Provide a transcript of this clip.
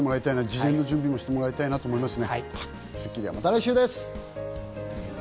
事前の準備もしてもらいたいと思います。